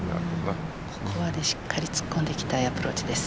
ここまでしっかり突っ込んでいきたいアプローチです。